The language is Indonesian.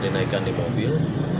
dinaikkan di mobil